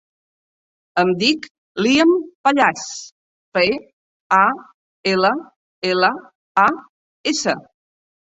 Em dic Liam Pallas: pe, a, ela, ela, a, essa.